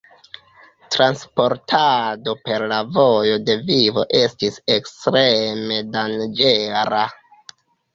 Transportado per la Vojo de Vivo estis ekstreme danĝera.